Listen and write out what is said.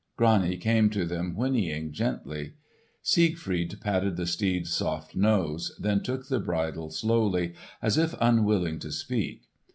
Grani came to them whinnying gently. Siegfried patted the steed's soft nose, then took the bridle slowly, as if unwilling to speak.